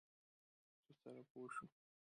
چې سره پوه شو.